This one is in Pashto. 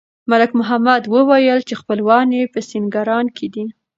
ملک محمد وویل چې خپلوان یې په سینګران کې دي.